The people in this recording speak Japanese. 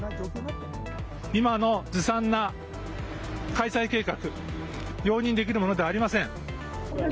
今のずさんな開催計画、容認できるものではありません。